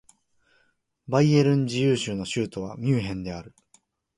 バイエルン自由州の州都はミュンヘンである